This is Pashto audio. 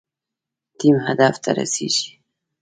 ټیم هدف ته رسیږي